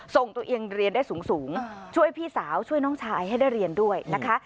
ส่งตัวเองเรียนได้สูงช่วยพี่สาวช่วยน้องชายให้ได้เรียนด้วยนะคะ